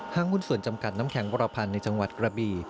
หุ้นส่วนจำกัดน้ำแข็งบรพันธ์ในจังหวัดกระบี